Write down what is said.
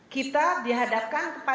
kita mencari penelitian yang cukup besar